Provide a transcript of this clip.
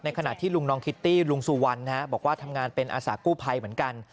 ขณะที่ลุงน้องคิตตี้ลุงสุวรรณบอกว่าทำงานเป็นอาสากู้ภัยเหมือนกัน